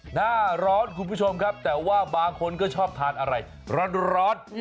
หน้าร้อนคุณผู้ชมครับแต่ว่าบางคนก็ชอบทานอะไรร้อน